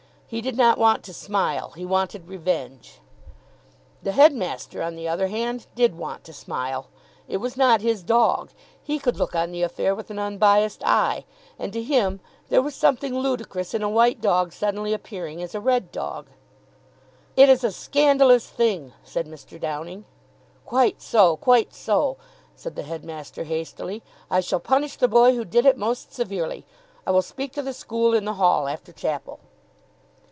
He did not want to smile, he wanted revenge. The headmaster, on the other hand, did want to smile. It was not his dog, he could look on the affair with an unbiased eye, and to him there was something ludicrous in a white dog suddenly appearing as a red dog. "It is a scandalous thing!" said Mr. Downing. "Quite so! Quite so!" said the headmaster hastily. "I shall punish the boy who did it most severely. I will speak to the school in the Hall after chapel."